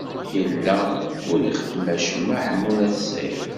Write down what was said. Yella ur ixeddem acemma Ḥemmu n At Sɛid.